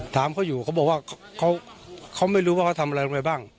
ถามเขาอยู่เขาบอกว่าเขาไม่รู้ว่าเขาทำอะไรลงไปบ้าง